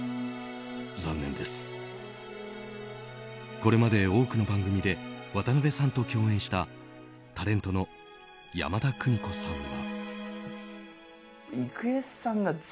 これまで多くの番組で渡辺さんと共演したタレントの山田邦子さんは。